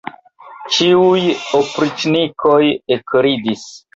Ĉiuj opriĉnikoj ekridis.